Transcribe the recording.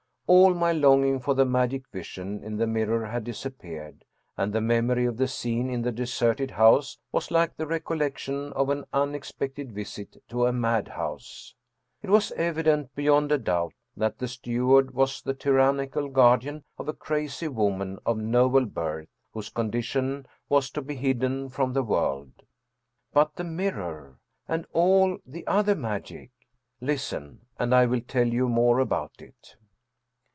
All my longing for the magic vision in the mirror had disappeared, and the memory of the scene in the de serted house was like the recollection of an unexpected visit to a madhouse. It was evident beyond a doubt that the steward was the tyrannical guardian of a crazy woman of noble birth, whose condition was to be hidden from the world. But the mirror? and all the other magic? Listen, and I will tell you more about it.